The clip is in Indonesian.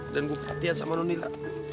dan gue perhatian sama nonila